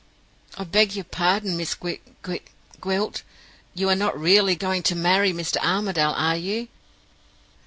'I beg your pardon, Miss Gwi Gwi Gwilt! You are not really go go going to marry Mr. Armadale, are you?